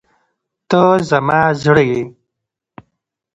ته زما زړه یې.